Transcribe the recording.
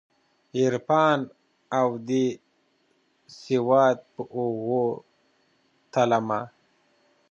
دعرفان اودسواد په اوږو تلمه